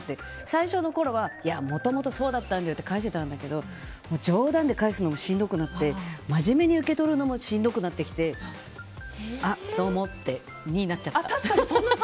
最初のころはもともとそうだったんだよって返してたんだけど冗談で返すのもしんどくなって真面目に受け取るのもしんどくなってきてあ、どうもになっちゃった。